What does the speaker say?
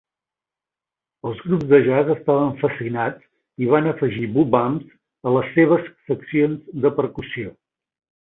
Els grups de jazz estaven fascinats i van afegir boobams a les seves seccions de percussió.